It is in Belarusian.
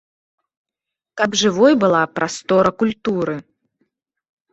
Каб жывой была прастора культуры.